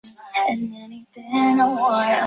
我不禁转过头